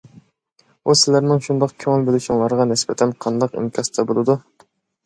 -ئۇ سىلەرنىڭ شۇنداق كۆڭۈل بۆلۈشۈڭلارغا نىسبەتەن قانداق ئىنكاستا بولىدۇ.